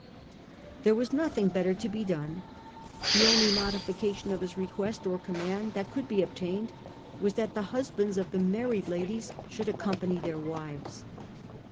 There was nothing better to be done. The only modification of his request, or command, that could be obtained was that the husbands of the married ladies should accompany their wives.